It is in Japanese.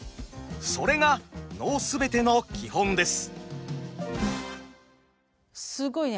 それが能全ての基本です。